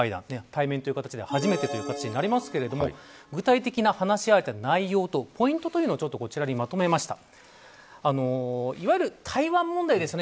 対面ということでは初めてという形になりますが具体的な話し合われた内容とポイントをこちらにまとめました。